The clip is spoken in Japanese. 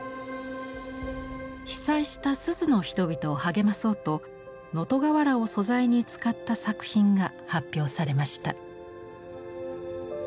被災した珠洲の人々を励まそうと能登瓦を素材に使った作品が発表されました。